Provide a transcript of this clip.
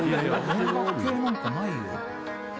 音楽系なんてないよ